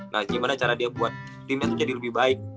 nah gimana cara dia buat timnya itu jadi lebih baik